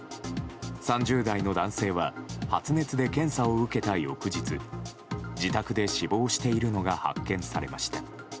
３０代の男性は発熱で検査を受けた翌日自宅で死亡しているのが発見されました。